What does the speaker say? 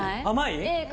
甘い？